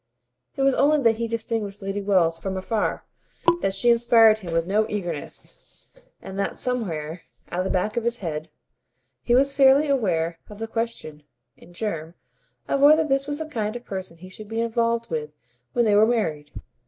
It was not only that he distinguished Lady Wells from afar, that she inspired him with no eagerness, and that, somewhere at the back of his head, he was fairly aware of the question, in germ, of whether this was the kind of person he should be involved with when they were married.